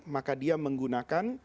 maka dia menggunakan